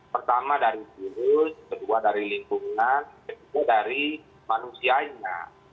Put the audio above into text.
pertama dari virus kedua dari lingkungan ketiga dari manusianya